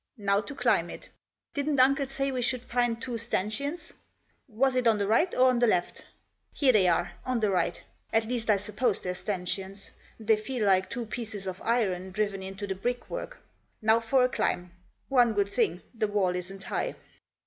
Now to climb it. Didn't uncle say we should find two stanchions ? Was it on the right or on the left ? Here they are, on the right ; at least, I suppose they're stanchions. They feel like two pieces of iron driven into the brickwork. Now for a climb. One good thing — the wall isn't high."